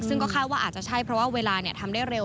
ซึ่งก็คาดว่าอาจจะใช่เพราะว่าเวลาทำได้เร็ว